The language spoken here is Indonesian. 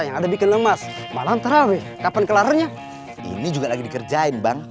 yang ada bikin emas malam terawih kapan kelarnya ini juga lagi dikerjain bang